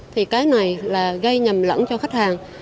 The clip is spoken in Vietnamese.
thì cái này là gây nhầm lẫn cho khách hàng